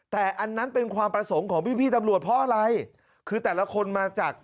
แต่อันนั้นเป็นความประสงค์ของพี่พี่ตำรวจเพราะอะไรคือแต่ละคนมาจาก